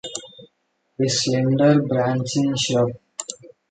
A slender branching shrub.